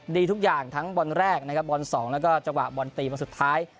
ดีทุกอย่างทั้งบอลแรกบอล๒แล้วก็จังหวะบอลทีมสุดท้าย